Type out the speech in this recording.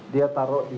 dia taruh di